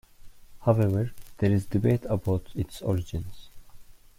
However, there is debate about its origins.